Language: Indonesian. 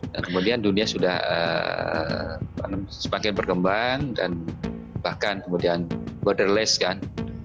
dan kemudian dunia sudah semakin berkembang dan bahkan kemudian borderless kan